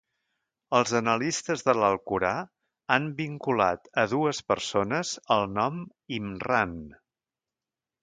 Els analistes de l'Alcorà han vinculat a dues persones al nom Imran.